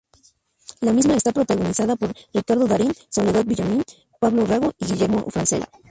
La misma está protagonizada por Ricardo Darín, Soledad Villamil, Pablo Rago y Guillermo Francella.